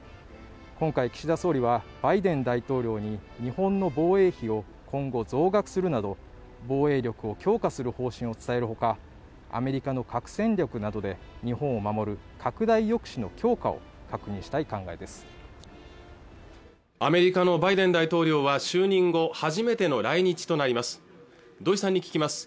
今回岸田総理はバイデン大統領に日本の防衛費を今後増額するなど防衛力を強化する方針を伝えるほかアメリカの核戦力などで日本を守る拡大抑止の強化を確認したい考えですアメリカのバイデン大統領は就任後初めての来日となります土居さんに聞きます